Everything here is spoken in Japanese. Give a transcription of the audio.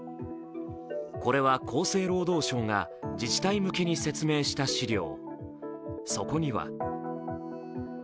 これは厚生労働省が自治体向けに説明した資料。